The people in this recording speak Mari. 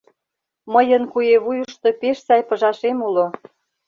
Мыйын куэ вуйышто пеш сай пыжашем уло.